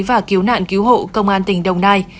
và cứu nạn cứu hộ công an tỉnh đồng nai